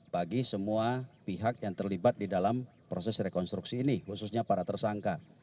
bagi semua pihak yang terlibat di dalam proses rekonstruksi ini khususnya para tersangka